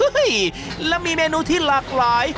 และมีเมนูที่หลากหลาย